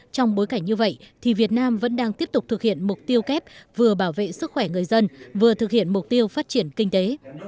trong bối cảnh như vậy thì việt nam vẫn đang tiếp tục thực hiện mục tiêu kép vừa bảo vệ sức khỏe người dân vừa thực hiện mục tiêu phát triển kinh tế